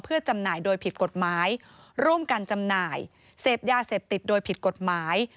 เพื่อจำหน่ายโดยผิดกฎหมายร่วมกันจำหน่ายเสพยาเสพติดโดยผิดกฎหมาย